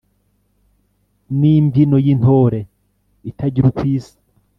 n'imbyino y'intore itagira uko isa